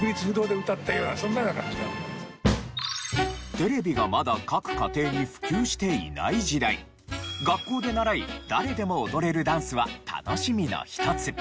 テレビがまだ各家庭に普及していない時代学校で習い誰でも踊れるダンスは楽しみの一つ。